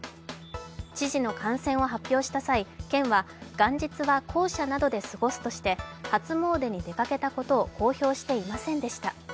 知事の感染を発表した際、県は元日は公舎などで過ごすとして初詣に出かけたことを公表していませんでした。